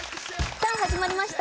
さあ始まりました